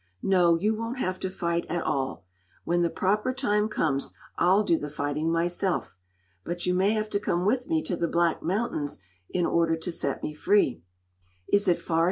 No, you won't have to fight at all. When the proper time comes I'll do the fighting myself. But you may have to come with me to the Black Mountains, in order to set me free." "Is it far?"